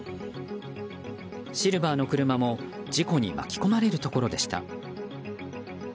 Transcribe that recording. シルバーの車も事故に巻き込まれるところでした。